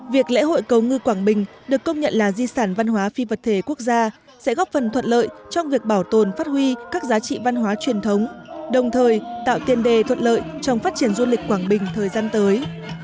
việc lễ hội cầu ngư quảng bình được công nhận là di sản văn hóa phi vật thể quốc gia sẽ góp phần thuận lợi trong việc bảo tồn phát huy các giá trị văn hóa truyền thống đồng thời tạo tiền đề thuận lợi trong phát triển du lịch quảng bình thời gian tới